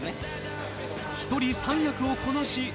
一人三役をこなし